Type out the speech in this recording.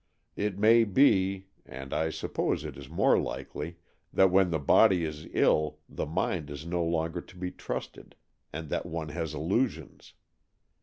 It may be — and I suppose it is more likely — that when the body is ill, the mind is no longer to be trusted, and that one has illusions.